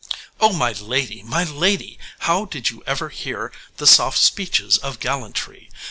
Oh, my lady, my lady! how did you ever hear the soft speeches of gallantry?